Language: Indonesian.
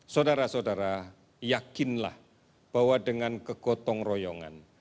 saudara saudara yakinlah bahwa dengan kegotong royongan